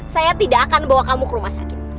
saya tidak akan bawa kamu ke rumah sakit